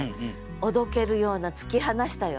おどけるような突き放したような。